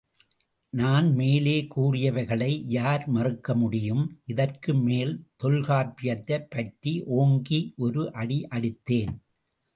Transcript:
நான் மேலே கூறியவைகளை யார் மறுக்க முடியும், இதற்கு மேல் தொல்காப்பியத்தைப் பற்றி ஓங்கி ஒரு அடி அடித்தேன்.